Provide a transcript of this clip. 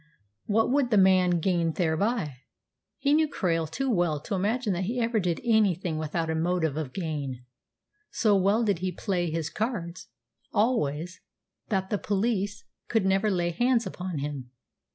What would the man gain thereby? He knew Krail too well to imagine that he ever did anything without a motive of gain. So well did he play his cards always that the police could never lay hands upon him.